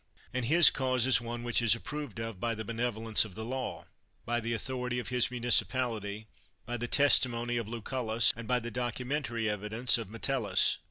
And his cause is one which is approved of by the benevolence of the law, by the authority of his municipality, by the testi mony of Lucullus, and by the documentary evi dence of Metellus.